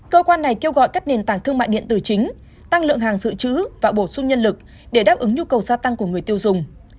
cơ quan này kêu gọi các nền tảng thương mại điện tử chính tăng lượng hàng dự trữ và bổ sung nhân lực để đáp ứng nhu cầu gia tăng của người tiêu dùng